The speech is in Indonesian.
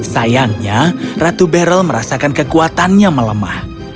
sayangnya ratu beryl merasakan kekuatannya melemah